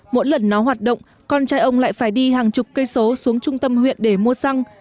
mỗi lần nó hoạt động con trai ông lại phải đi hàng chục cây số xuống trung tâm huyện để mua xăng